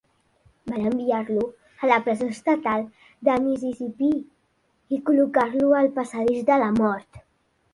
Van enviar-lo a la presó estatal de Mississippi i col·locar-lo al passadís de la mort.